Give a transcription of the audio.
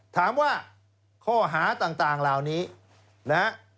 ถามว่าข้อหาต่างเหล่านี้นะฮะ